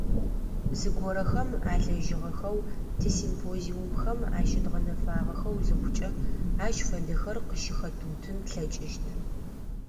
Зыгорэхэм алэжьыгъэхэу, тисимпозиумхэм ащыдгъэнэфагъэхэу зыхъукӏэ, ащ фэдэхэр къыщыхэтыутын тлъэкӏыщт.